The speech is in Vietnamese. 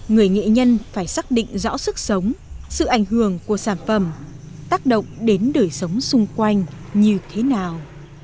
người nghệ nhân phải xác định rõ sức sống sự ảnh hưởng của sản phẩm tác động đến đời sống xung quanh như thế nào